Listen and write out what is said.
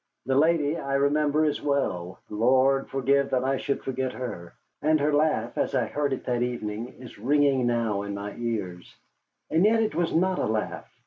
The lady I remember as well Lord forbid that I should forget her. And her laugh as I heard it that evening is ringing now in my ears. And yet it was not a laugh.